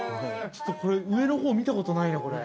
◆ちょっと上のほう見たことないな、これ。